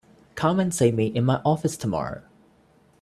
Come in and see me in my office tomorrow.